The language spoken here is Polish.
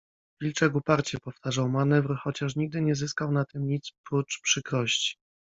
wilczek uparcie powtarzał manewr, chociaż nigdy nie zyskał na tym nic, prócz przykrości.